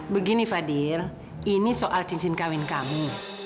begini fadil ini soal cincin kawin kami